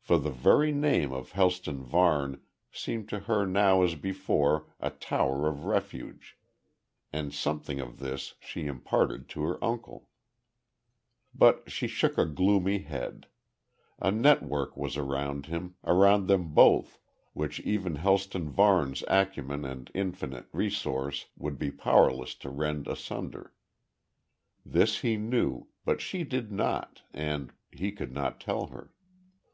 For the very name of Helston Varne seemed to her now as before, a tower of refuge. And something of this she imparted to her uncle. But he shook a gloomy head. A network was around him around them both which even Helston Varne's acumen and infinite resource would be powerless to rend asunder. This he knew, but she did not, and he could not tell her.